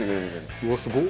うわすごっ！